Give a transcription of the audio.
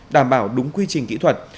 đảm bảo đúng quy trình kỹ thuật